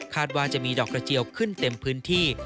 ว่าจะมีดอกกระเจียวขึ้นเต็มพื้นที่